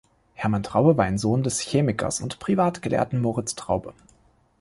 Hermann Traube war ein Sohn des Chemikers und Privatgelehrten Moritz Traube.